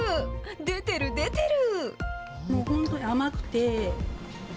出てる、出てる。